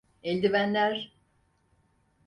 Eldivenler…